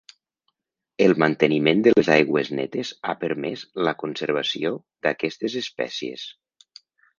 El manteniment de les aigües netes ha permès la conservació d'aquestes espècies.